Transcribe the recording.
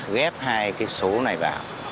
ghép hai cái số này vào